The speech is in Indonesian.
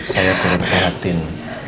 saya turut perhatiin